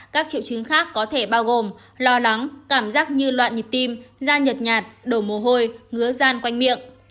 các triệu chứng khác có thể bao gồm lo lắng cảm giác như loạn nhịp tim da nhật nhạt đổ mồ hôi ngứa dan quanh miệng